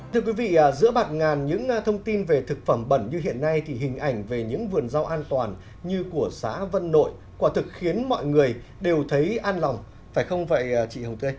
thưa quý vị giữa bạt ngàn những thông tin về thực phẩm bẩn như hiện nay thì hình ảnh về những vườn rau an toàn như của xã vân nội quả thực khiến mọi người đều thấy an lòng phải không vậy chị hồng tươi